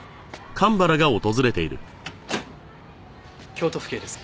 京都府警です。